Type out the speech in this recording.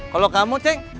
kalau kamu ceng